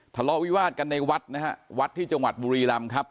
ทะเลาะวิวาสกันในวัดนะฮะวัดที่จังหวัดบุรีรำครับ